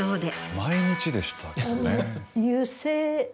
毎日でしたけどね。